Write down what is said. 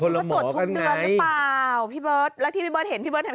คนละหมอกันไงหรือเปล่าพี่เบิร์ตแล้วที่พี่เบิร์ตเห็น